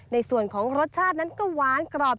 ในส่วนของรสชาตินั้นก็หวานกรอบ